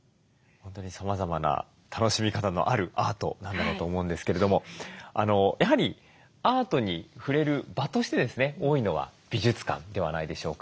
本当にさまざまな楽しみ方のあるアートなんだろうと思うんですけれどもやはりアートに触れる場としてですね多いのは美術館ではないでしょうか。